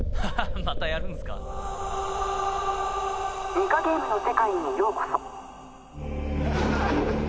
ニカゲームの世界へようこそ